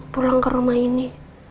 pulang ke rumah ini